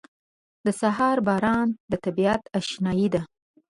• د سهار باران د طبیعت اشنايي ده.